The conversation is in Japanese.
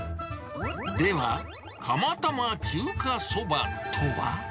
では、釜玉中華そばとは？